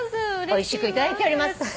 おいしくいただいております。